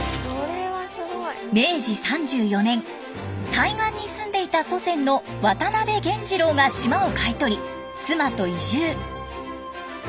明治３４年対岸に住んでいた祖先の渡邊源次郎が島を買い取り妻と移住。